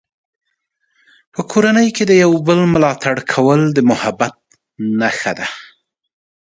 په کورنۍ کې د یو بل ملاتړ کول د محبت نښه ده.